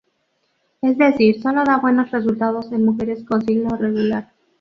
Es decir, solo da buenos resultados en mujeres con ciclo regular.